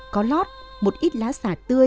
có lót một ít lá sả tươi